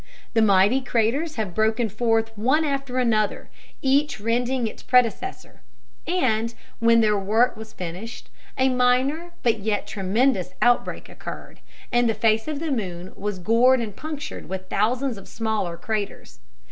The mighty craters have broken forth one after another, each rending its predecessor; and when their work was finished, a minor but yet tremendous outbreak occurred, and the face of the moon was gored and punctured with thousands of smaller craters.